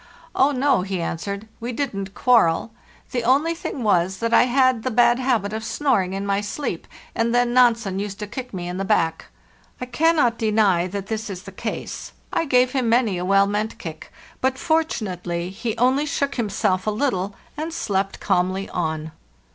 '" Oh no," he answered, " we didn't quarrel; the only thing was that I had the bad habit of snoring in my sleep, and then Nansen used to kick me in the back.' I cannot deny that this is the case; I gave him many a well meant kick, but fortunately he only shook himself a little and slept calmly on.